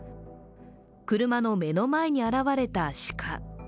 車の目の前に現れた鹿。